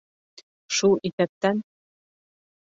Шул иҫәптән